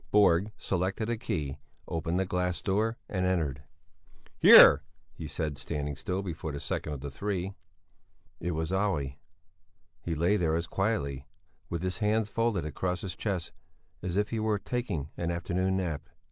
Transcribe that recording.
Borg selected a key, opened the glass door, and entered. "Here!" he said, standing still before the second of the three. It was Olle. He lay there as quietly, with his hands folded across his chest, as if he were taking an afternoon nap.